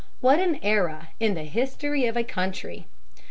What an era in the history of a country!